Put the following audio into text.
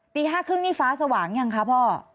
ตี๕๓๐นี่ฟ้าสว่างยังคะพ่อ